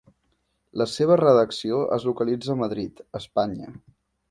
La seva redacció es localitza a Madrid, Espanya.